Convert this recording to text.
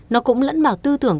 nó cũng lẫn vào tư tưởng